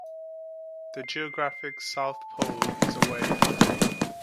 The Geographic South Pole is away.